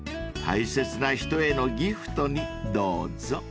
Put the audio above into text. ［大切な人へのギフトにどうぞ］